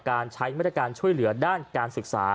การใช้มาตรการช่วยเหลือด้านการศึกษา